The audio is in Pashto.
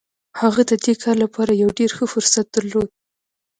هغه د دې کار لپاره يو ډېر ښه فرصت درلود.